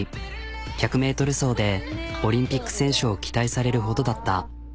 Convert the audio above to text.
１００ｍ走でオリンピック選手を期待されるほどだった。